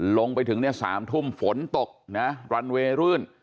ลงไปถึง๓ทุ่มฝนตกแล้วลันเวย์รื่น